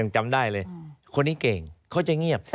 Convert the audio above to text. จำได้เลยคนนี้เก่งเขาจะเงียบ